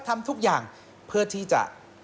ทำทุกอย่างเพื่อที่จะ